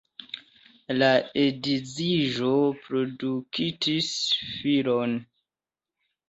La edziĝo produktis filon.